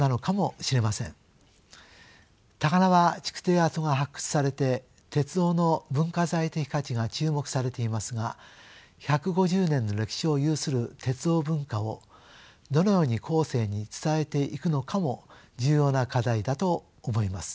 高輪築堤跡が発掘されて鉄道の文化財的価値が注目されていますが１５０年の歴史を有する鉄道文化をどのように後世に伝えていくのかも重要な課題だと思います。